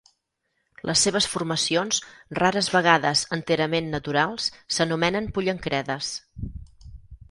Les seves formacions, rares vegades enterament naturals, s'anomenen pollancredes.